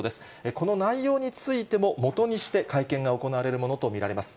この内容についてももとにして会見が行われるものと見られます。